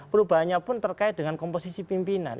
perubahannya pun terkait dengan komposisi pimpinan